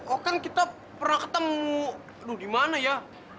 oh kan kita pernah ketemu aduh dimana ya